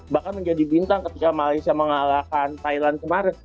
bahkan menjadi bintang ketika malaysia mengalahkan thailand kemarin